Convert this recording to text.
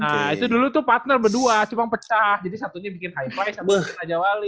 nah itu dulu tuh partner berdua cuma pecah jadi satunya bikin high five sama bikin raja wali